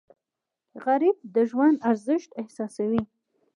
غریب د ژوند ارزښت احساسوي